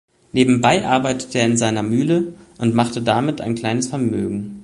Nebenbei arbeitete er in seiner Mühle und machte damit ein kleines Vermögen.